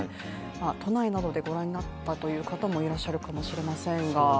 都内などでご覧になったという方もいらっしゃるかもしれませんが。